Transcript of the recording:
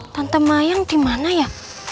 tante mayang dimana ya